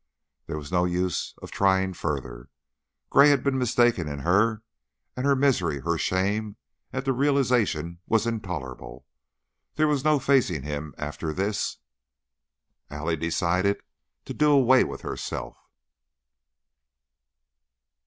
There was no use of trying further; Gray had been mistaken in her, and her misery, her shame at the realization was intolerable. There was no facing him, after this. Allie decided to do away with herself.